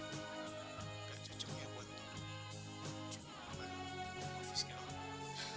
tapi cuma sebagai ofisial